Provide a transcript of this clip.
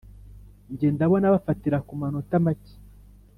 :Nge ndabona bafatira ku manota make